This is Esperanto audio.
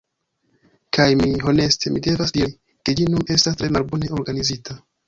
Kaj mi… Honeste mi devas diri, ke ĝi nun estas tre malbone organizita.